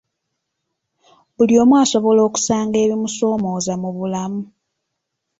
Buli omu asobola okusanga ebimusoomooza mu bulamu.